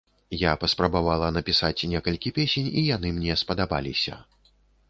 Я паспрабавала напісаць некалькі песень, і яны мне спадабаліся.